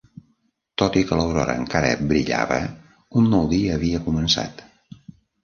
Tot i que l'aurora encara brillava, un nou dia havia començat.